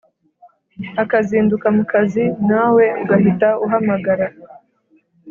akazinduka mukazi nawe ugahita uhamagara